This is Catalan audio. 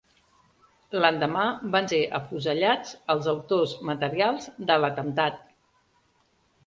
L'endemà van ser afusellats els autors materials de l'atemptat.